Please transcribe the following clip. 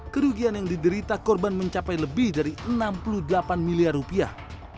kerugian yang diderita korban mencapai lebih dari enam puluh delapan miliar rupiah